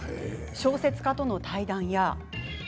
小説家との対談や。